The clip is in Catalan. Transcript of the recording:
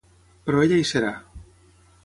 Però ella hi serà.